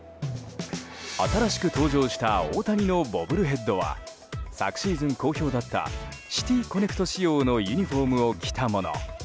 新しく登場した大谷のボブルヘッドは昨シーズン好評だったシティ・コネクト仕様のユニホームを着たもの。